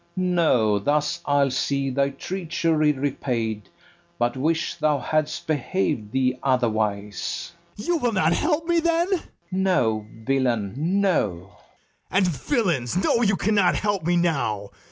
No, thus I'll see thy treachery repaid, But wish thou hadst behav'd thee otherwise. BARABAS. You will not help me, then? FERNEZE. No, villain, no. BARABAS. And, villains, know you cannot help me now.